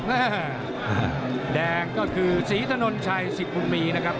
อือฮ่าแดงก็คือสีถนนชัย๑๐ุ่นมีนะครับ